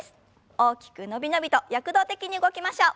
大きく伸び伸びと躍動的に動きましょう。